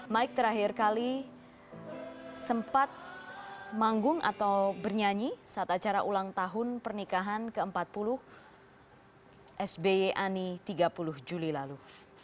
mike terakhir kali sempat manggung atau bernyanyi saat acara ulang tahun pernikahan ke empat puluh sby ani tiga puluh juli lalu